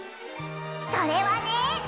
それはね。